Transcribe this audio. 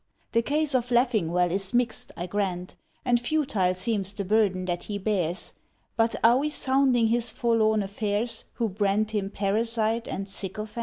The case of Leffingwell is mixed, I grant, And futile seems the burden that he bears; But are we soimding his forlorn affairs Who brand him parasite and sycophant?